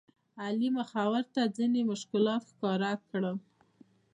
علي مخورو ته ځینې مشکلات ښکاره کړل.